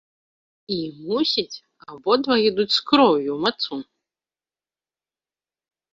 І, мусіць, абодва ядуць з кроўю мацу!